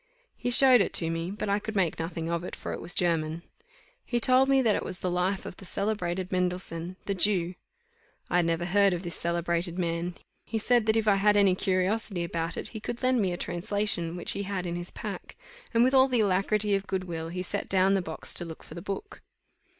He showed it to me; but I could make nothing of it, for it was German. He told me that it was the Life of the celebrated Mendelssohn, the Jew. I had never heard of this celebrated man. He said that if I had any curiosity about it, he could lend me a translation which he had in his pack; and with all the alacrity of good will, he set down the box to look for the book.